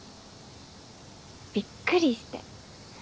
びっくりして。